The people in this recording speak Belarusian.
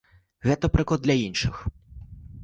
Гэта прыклад для іншых.